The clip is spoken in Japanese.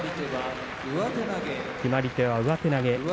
決まり手は上手投げです。